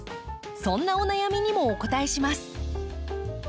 そんなお悩みにもお答えします。